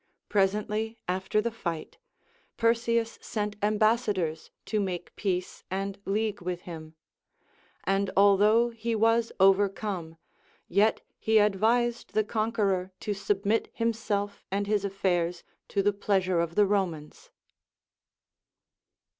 Presently after the fight, Perseus sent ambassadors to make peace and league Λvith him ; and although he was overcome, yet he advised the conqueror to submit himself and his affairs to the pleasure of the Komans.